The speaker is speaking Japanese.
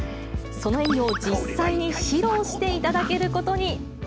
その演技を実際に披露していただけることに。